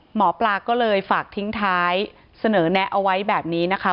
หมอปลาก็เลยฝากทิ้งท้ายเสนอแนะเอาไว้แบบนี้นะคะ